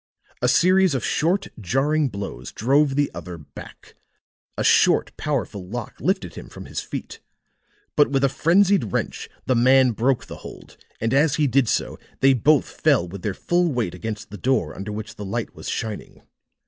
A series of short jarring blows drove the other back; a short powerful lock lifted him from his feet. But with a frenzied wrench the man broke the hold, and as he did so they both fell with their full weight against the door under which the light was shining.